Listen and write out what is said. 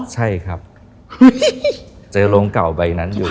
ใช่ครับเจอโรงเก่าใบนั้นอยู่